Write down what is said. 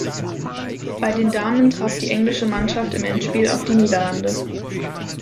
Bei den Damen traf die englische Mannschaft im Endspiel auf die Niederlande.